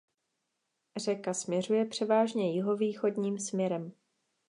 Řeka směřuje převážně jihovýchodním směrem.